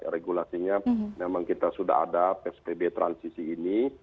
regulasinya memang kita sudah ada psbb transisi ini